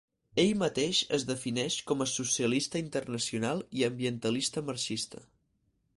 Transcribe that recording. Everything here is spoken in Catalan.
Ell mateix es defineix com a socialista internacional i ambientalista marxista.